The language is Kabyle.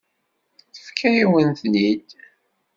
Tefka-yawen-ten-id.